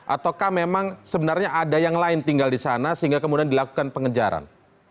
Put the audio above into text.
ataukah memang sebenarnya ada yang lain tinggal di sana sehingga kemudian dilakukan pengejaran